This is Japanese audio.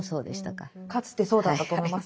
かつてそうだったと思います。